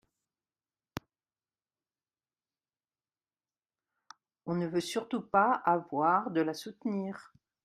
on ne veut surtout pas avoir de la soutenir.